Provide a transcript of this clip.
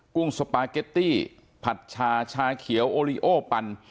ุ้งสปาเกตตี้ผัดชาชาเขียวโอลิโอปัน